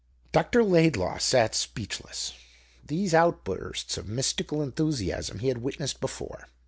Dr. Laidlaw sat speechless. These outbursts of mystical enthusiasm he had witnessed before.